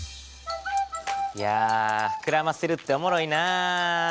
いやふくらませるっておもろいな。